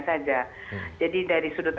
saja jadi dari sudut